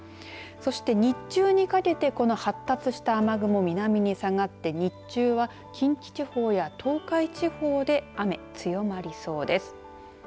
そして、日中にかけてこの発達した雨雲、南に下がって日中は、近畿地方や東海地方で雨、強まりそうです。